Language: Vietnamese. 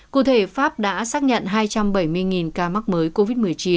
cụ thể pháp đã xác nhận hai trăm bảy mươi ca mắc mới covid một mươi chín